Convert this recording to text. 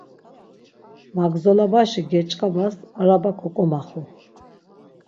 Magzolabaşi geç̌ǩapas araba koǩomaxu.